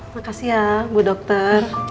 makasih ya bu dokter